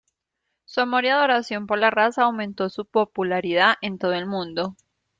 Su amor y adoración por la raza aumentó su popularidad en todo el mundo.